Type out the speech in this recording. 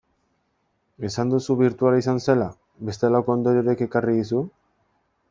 Esan duzu birtuala izan zela, bestelako ondoriorik ekarri dizu?